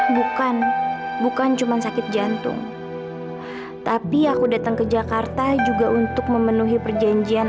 bukan bukan cuman sakit jantung tapi aku datang ke jakarta juga untuk memenuhi perjanjian